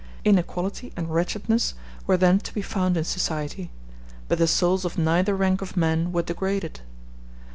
Inequality and wretchedness were then to be found in society; but the souls of neither rank of men were degraded.